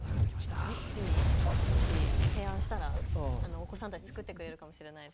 レシピ、もし提案したらお子さんたち、作ってくれるかもしれないです。